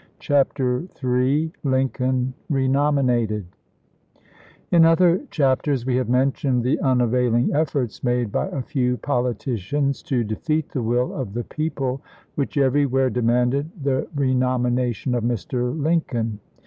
CHAPTER III LINCOLN RENOMINATED IN other chapters we have mentioned the un availing efforts made by a few politicians to defeat the will of the people which everywhere de manded the renomination of Mr. Lincoln.